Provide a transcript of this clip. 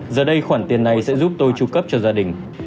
giờ đây khoản tiền này sẽ giúp tôi tru cấp cho gia đình